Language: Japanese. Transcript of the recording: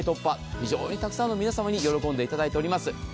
非常にたくさんの皆様に喜んでいただいております。